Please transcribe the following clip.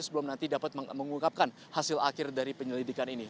sebelum nanti dapat mengungkapkan hasil akhir dari penyelidikan ini